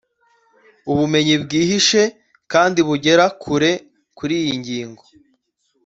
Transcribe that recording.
ubumenyi bwihishe kandi bugera kure kuriyi ngingo